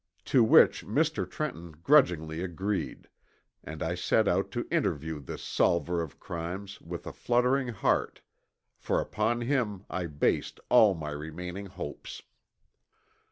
To which Mr. Trenton grudgingly agreed, and I set out to interview this solver of crimes with a fluttering heart, for upon him I based all my remaining hopes.